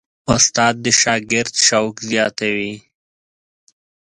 استاد د شاګرد شوق زیاتوي.